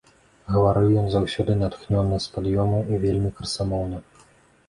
Гаварыў ён заўсёды натхнёна, з пад'ёмам і вельмі красамоўна.